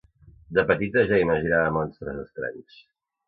de petita ja imaginava monstres estranys